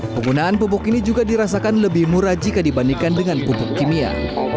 penggunaan pupuk ini juga dirasakan lebih murah jika dibandingkan dengan pupuk kimia